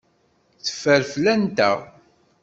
Teffer fell-anteɣ.